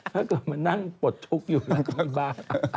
ถ้าเกิดมานั่งปลดทุกข์อยู่มันก็มีบ้าน